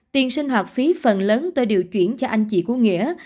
tiền sinh hoạt phí phần lớn tôi điều chuyển cho anh chị của nghĩa